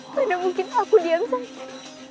mana mungkin aku diam saja